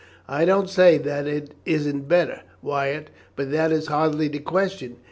"I don't say that it isn't better, Wyatt, but that is hardly the question.